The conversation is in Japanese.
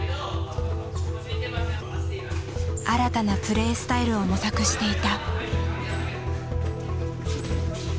新たなプレースタイルを模索していた。